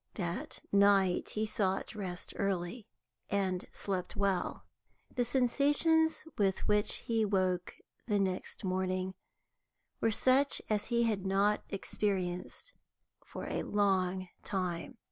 That night he sought rest early, and slept well. The sensations with which he woke next morning were such as he had not experienced for a long time.